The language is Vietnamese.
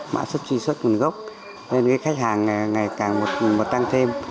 mạng xuất truy xuất nguồn gốc nên cái khách hàng ngày càng một tăng thêm